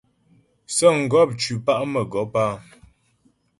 Sə̌ŋgɔp ncʉ pa' mə́gɔp áa.